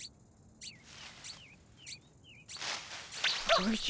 おじゃ？